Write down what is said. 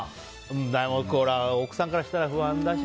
奥さんからしたら不安だし。